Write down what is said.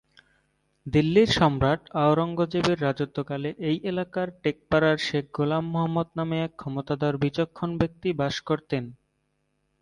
দিল্লির সম্রাট আওরঙ্গজেবের রাজত্বকালে এই এলাকার টেকপাড়ায় শেখ গোলাম মোহাম্মদ নামে এক ক্ষমতাধর বিচক্ষণ ব্যক্তি বাস করতেন।